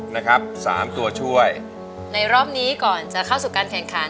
นะครับสามตัวช่วยในรอบนี้ก่อนจะเข้าสู่การแข่งขัน